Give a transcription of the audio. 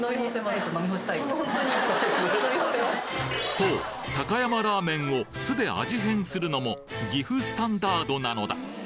そう高山ラーメンを酢で味変するのも岐阜スタンダードなのだ！